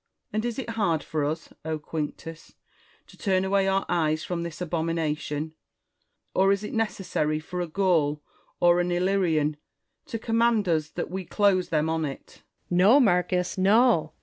And is it hard for us, Quinctus, to turn away our eyes from this abomination ? Or is it necessary for a Gaul or an Illyrian to command us that we close them on it % Quinctus. No, Marcus, no